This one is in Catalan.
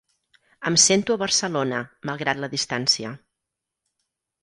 Em sento a Barcelona, malgrat la distància.